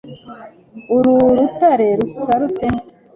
Uru rutare rusa rute?